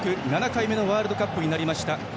７回目のワールドカップになりました。